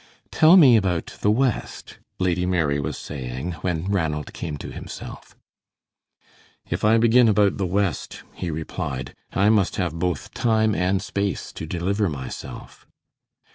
"Tell me about the West," Lady Mary was saying, when Ranald came to himself. "If I begin about the West," he replied, "I must have both time and space to deliver myself."